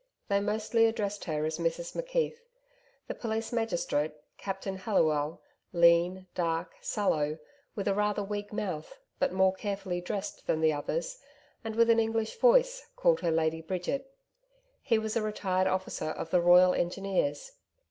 They mostly addressed her as Mrs McKeith. The police magistrate Captain Halliwell, lean, dark, sallow, with a rather weak mouth, but more carefully dressed than the others, and with an English voice, called her Lady Bridget. He was a retired officer of the ROYAL ENGINEERS.